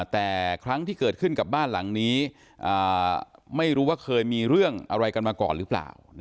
แต่ครั้งที่เกิดขึ้นกับบ้านหลังนี้ไม่รู้ว่าเคยมีเรื่องอะไรกันมาก่อนหรือเปล่า